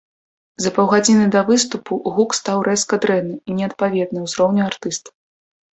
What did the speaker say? За паўгадзіны да выступу гук стаў рэзка дрэнны і неадпаведны ўзроўню артыста.